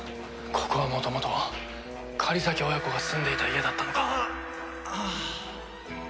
ここは元々狩崎親子が住んでいた家だったのか？